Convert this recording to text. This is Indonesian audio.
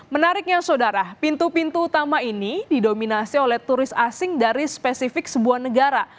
menariknya saudara pintu pintu utama ini didominasi oleh turis asing dari spesifik sebuah negara